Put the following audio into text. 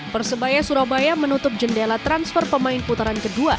persebaya surabaya menutup jendela transfer pemain putaran kedua